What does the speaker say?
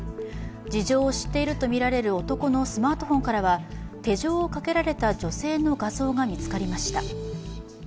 事情を知っているとみられる男のスマートフォンからは手錠をかけられた女性の画像が見つかりました。